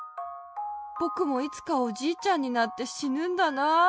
ぼくもいつかおじいちゃんになってしぬんだなあって。